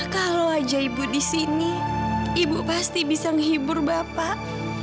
kalau aja ibu di sini ibu pasti bisa menghibur bapak